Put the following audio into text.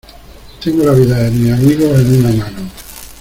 tengo la vida de mis amigos en una mano